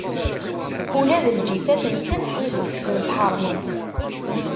Ula d lǧifat-nsen, ḥesbet-tent ḥeṛṛment.